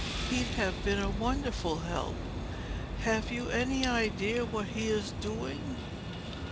He'd have been a wonderful help. Have you any idea what he is doing?"